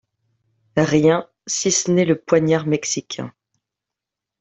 Rien, si ce n’est le poignard mexicain